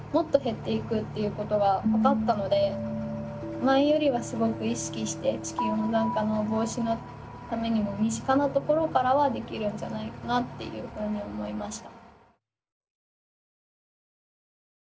前よりはすごく意識して地球温暖化の防止のためにも身近なところからはできるんじゃないかなっていうふうに思いました。